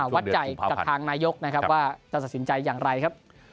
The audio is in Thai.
วัดใจกับทางนายกนะครับว่าจะตัดสินใจอย่างไรครับ